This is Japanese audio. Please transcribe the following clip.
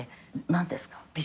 何ですか？